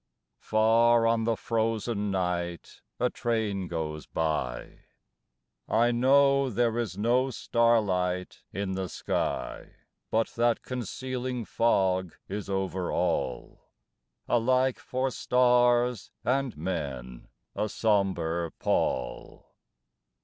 Far on the frozen night a train goes by. I know there is no starlight in the sky, But that concealing fog is over all, Alike for stars and men a somber pall.